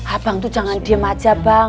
abang tuh jangan diem aja bang